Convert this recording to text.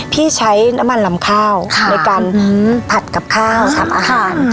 ที่ใช้น้ำมันลำข้าวในการผัดกับข้าวทำอาหาร